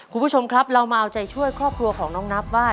คุณผู้ชมครับเรามาเอาใจช่วยครอบครัวของน้องนับว่า